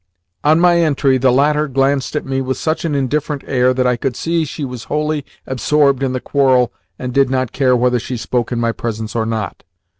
On my entry, the latter glanced at me with such an indifferent air that I could see she was wholly absorbed in the quarrel and did not care whether she spoke in my presence or not.